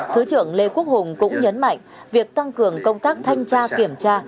thứ trưởng lê quốc hùng cũng nhấn mạnh việc tăng cường công tác thanh tra kiểm tra